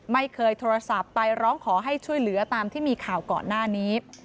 ไม่เคยโทรศัพท์ไปร้องขอให้ช่วยเหลือตามที่มีข่าวก่อนหน้านี้